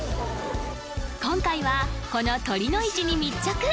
今回はこの酉の市に密着！